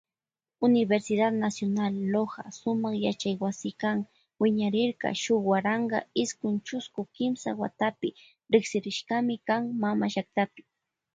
Universidad nacional Loja sumak yachaywasikan wiñarirka shuk waranka iskun chusku kimsa watapi riksirishkami kan mama llaktapi.